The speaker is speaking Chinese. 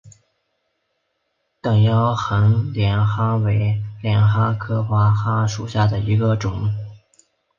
等腰横帘蛤为帘蛤科花蛤属下的一个种。